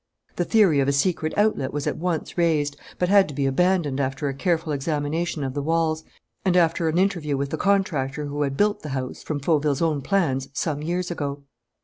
The theory of a secret outlet was at once raised, but had to be abandoned after a careful examination of the walls and after an interview with the contractor who had built the house, from Fauville's own plans, some years ago.